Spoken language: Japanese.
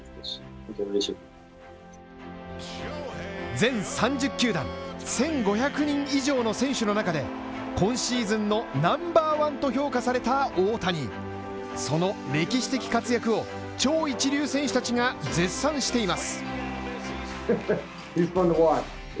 全３０球団１５００人以上の選手の中で、今シーズンのＮｏ．１と評価された大谷その歴史的活躍を超一流選手たちが絶賛しています。